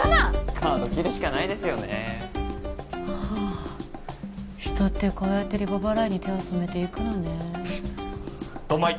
カード切るしかないですよねはあ人ってこうやってリボ払いに手を染めていくのねドンマイ！